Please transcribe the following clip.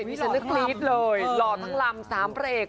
นี่ฉันก็คลี๊ดเลยหล่อทั้งลำ๓ประเอก